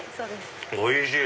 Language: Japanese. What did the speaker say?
おいしい！